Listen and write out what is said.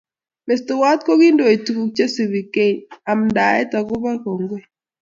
Mestowot kokindoi tukuk che subi keeng amandaet koba kongoi